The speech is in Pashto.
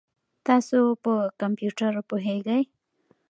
تاسو په کمپیوټر پوهیږئ؟